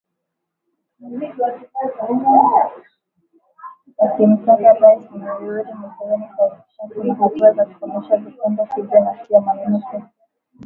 Akimtaka Rais Yoweri Museveni kuhakikisha kuna hatua za kukomesha vitendo hivyo na sio maneno pekee.